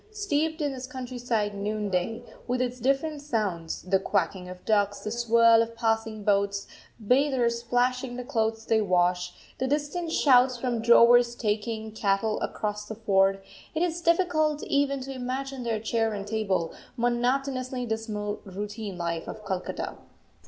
Steeped in this countryside noonday, with its different sounds the quacking of ducks, the swirl of passing boats, bathers splashing the clothes they wash, the distant shouts from drovers taking cattle across the ford, it is difficult even to imagine the chair and table, monotonously dismal routine life of Calcutta.